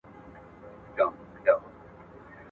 هیڅوک باید کرکه ونه کړي.